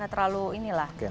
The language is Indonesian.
gak terlalu inilah